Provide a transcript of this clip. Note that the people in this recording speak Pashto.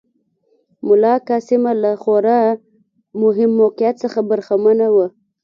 ملاکا سیمه له خورا مهم موقعیت څخه برخمنه وه.